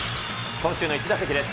今週の１打席です。